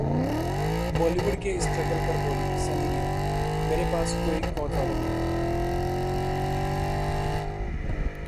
बॉलीवुड में स्ट्रगल पर बोलीं सनी लियोनी- मेरे पास कोई गॉडफादर नहीं था